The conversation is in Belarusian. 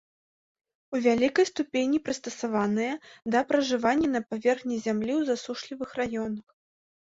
У вялікай ступені прыстасаваныя да пражывання на паверхні зямлі ў засушлівых раёнах.